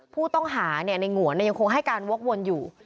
ผู้ต้องหาในหงวนยังคงให้การวกวนอยู่